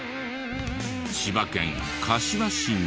千葉県柏市の。